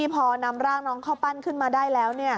พอนำร่างน้องเข้าปั้นขึ้นมาได้แล้ว